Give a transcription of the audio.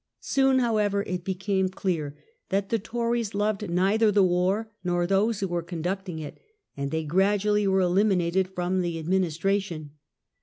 Soon, however, it became clear that the Tories loved neither the war nor those who were conducting it, and they gradually were eliminated from the administration.